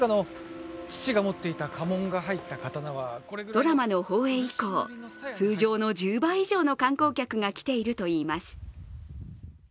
ドラマの放映移行、通常の１０倍以上の観光客が来ているといいます。